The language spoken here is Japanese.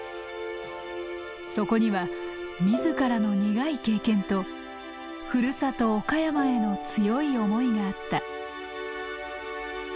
そこには自らの苦い経験とふるさと岡山への強い思いがあった。